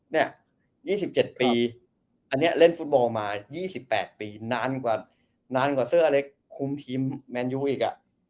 ๒๗ปีอันนี้เล่นฟุตบอลมา๒๘ปีนานกว่าเสื้ออเล็กคุมทีมแมนยูอีก